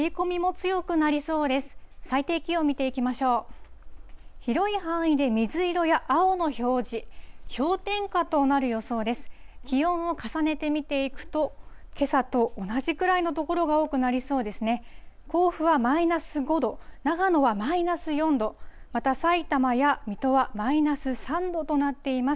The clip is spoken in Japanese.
甲府はマイナス５度、長野はマイナス４度、またさいたまや水戸はマイナス３度となっています。